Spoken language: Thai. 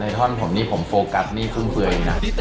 ในท่อนผมนี่ผมโฟกัสหนี้ฟุ่มเฟือย